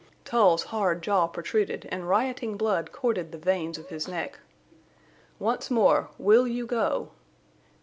Tull's hard jaw protruded, and rioting blood corded the veins of his neck. "Once more. Will you go?"